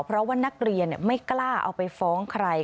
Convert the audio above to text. เพราะว่านักเรียนไม่กล้าเอาไปฟ้องใคร